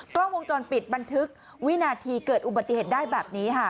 กล้องวงจรปิดบันทึกวินาทีเกิดอุบัติเหตุได้แบบนี้ค่ะ